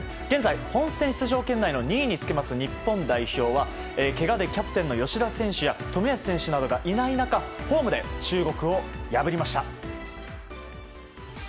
現在、本選出場圏内の２位につけます日本代表はけがでキャプテンの吉田選手や冨安選手がいない中ホームで中国を破りました。